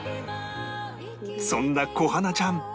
そんな小花ちゃん